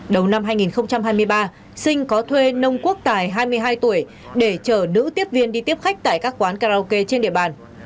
đầu năm hai nghìn hai mươi ba sinh có thuê nông quốc tài hai mươi hai tuổi để chở nữ tiếp viên đi tiếp khách tại các quán karaoke trên địa bàn